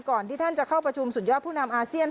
ที่ท่านจะเข้าประชุมสุดยอดผู้นำอาเซียน